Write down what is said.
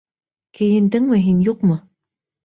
Кейендеңме һин, юҡмы?